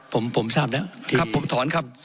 ผมถอนครับ